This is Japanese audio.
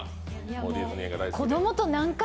子供と何回